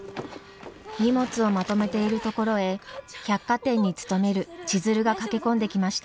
荷物をまとめているところへ百貨店に勤める千鶴が駆け込んできました。